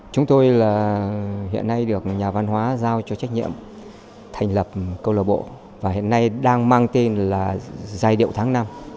chúng tôi là hiện nay được nhà văn hóa giao cho trách nhiệm thành lập câu lạc bộ và hiện nay đang mang tên là giai điệu tháng năm